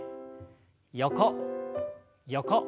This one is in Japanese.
横横。